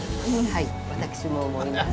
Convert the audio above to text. はい私も思います。